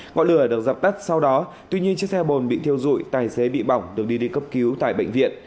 ngọn lửa được dập tắt sau đó tuy nhiên chiếc xe bồn bị thiêu dụi tài xế bị bỏng được đi đi cấp cứu tại bệnh viện